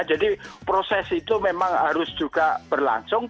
jadi proses itu memang harus juga berlangsung